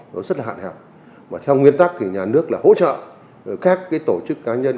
nó rất là hạn hẹp mà theo nguyên tắc thì nhà nước là hỗ trợ các cái tổ chức cá nhân